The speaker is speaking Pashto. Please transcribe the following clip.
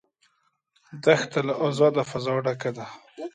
دښته له آزاده فضا ډکه ده.